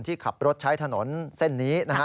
ที่ขับรถใช้ถนนเส้นนี้นะฮะ